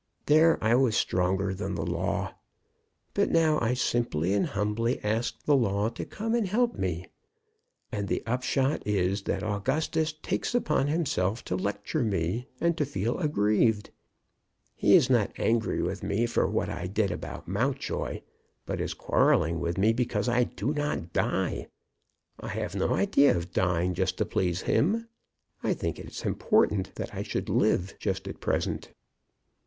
There I was stronger than the law. Now I simply and humbly ask the law to come and help me. And the upshot is that Augustus takes upon himself to lecture me and to feel aggrieved. He is not angry with me for what I did about Mountjoy, but is quarrelling with me because I do not die. I have no idea of dying just to please him. I think it important that I should live just at present."